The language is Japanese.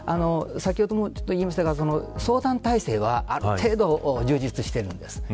先ほども言いましたが相談体制はある程度、充実しているんです。